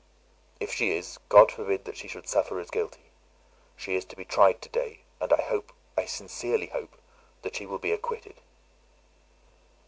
"If she is, God forbid that she should suffer as guilty. She is to be tried today, and I hope, I sincerely hope, that she will be acquitted."